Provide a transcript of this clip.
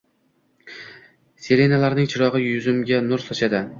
Sirenalarning chirogʻi yuzimga nur sochadi.